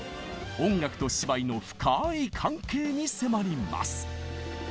音楽と芝居の深い関係に迫ります。